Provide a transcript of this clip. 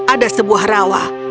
ada sebuah rawa